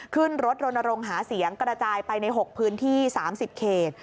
ขึ้นรถโรนโรงหาเสียงกระจายไปใน๖พื้นที่๓๐เขต